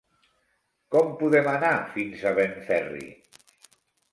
Com podem anar fins a Benferri?